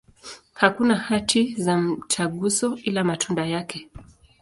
Hakuna hati za mtaguso, ila matunda yake.